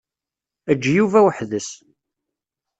Eǧǧ Yuba weḥd-s.